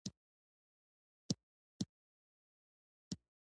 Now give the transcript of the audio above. مفهوم اساس انسانان پورته مقام ورسېږي.